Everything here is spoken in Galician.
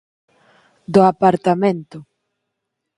Do apartamento